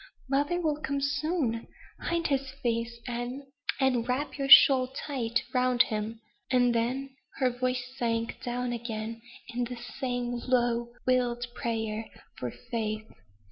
"Mother will come soon. Hide his face, Anne, and wrap your shawl tight round him." And then her voice sank down again in the same low, wild prayer for faith.